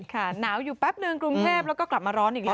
ค่ะหนาวอยู่แป๊บนึงกรุงเทพแล้วก็กลับมาร้อนอีกแล้ว